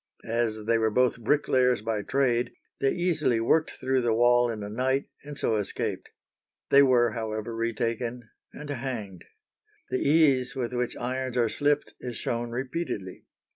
As they were both bricklayers by trade, they easily worked through the wall in a night, and so escaped. They were, however, retaken and hanged. The ease with which irons are slipped is shown repeatedly.